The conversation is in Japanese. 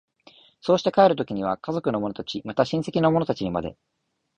そうして帰る時には家族の者たち、また親戚の者たちにまで、